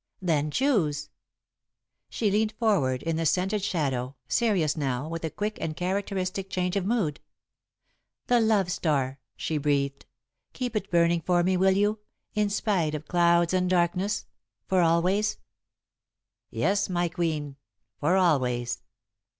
"Then choose." She leaned forward, in the scented shadow, serious now, with a quick and characteristic change of mood. "The love star," she breathed. "Keep it burning for me, will you, in spite of clouds and darkness for always?" "Yes, my queen for always."